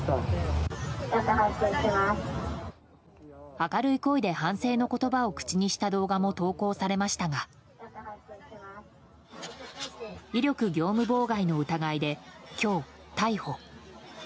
明るい声で反省の言葉を口にした動画も投稿されましたが威力業務妨害の疑いで今日、逮捕。